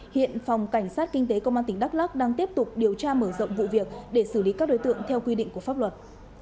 hiện phòng cảnh sát kinh tế công an tỉnh đắk lắc đang tiếp tục điều tra mở rộng vụ việc để xử lý các đối tượng theo quy định của pháp luật